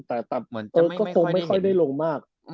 แต่ก็ส่วนก็คงไม่ค่อยได้ลงมาก